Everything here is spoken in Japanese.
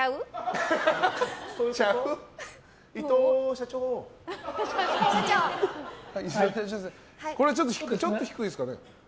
伊藤社長、これはちょっと低いですかね。